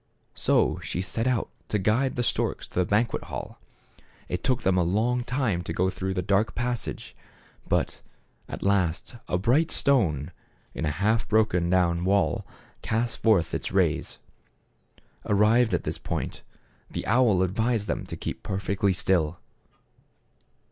So she set out to guide the storks to the banquet hall. It took them a long time to go through the dark passage, but at last a bright stone, in a half broken down wall, cast forth its rays. Arrived at this point, the owl advised them to keep perfectly still.